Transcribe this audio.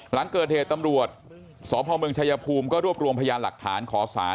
หลังเกิดเหตุตำรวจสพเมืองชายภูมิก็รวบรวมพยานหลักฐานขอสาร